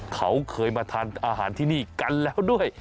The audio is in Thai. เขาเคยมาทานอาหารที่นี่กันแล้วด้วย